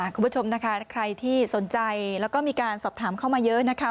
คุณผู้ชมนะคะใครที่สนใจแล้วก็มีการสอบถามเข้ามาเยอะนะคะ